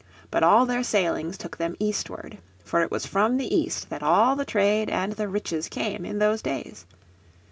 But all their sailings took them eastward. For it was from the east that all the trade and the riches came in those days.